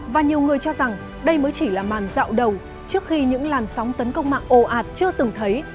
và nhiều người cho rằng đây mới chỉ là màn dạo đầu trước khi những làn sóng tấn công mạng ồ ạt chưa từng thấy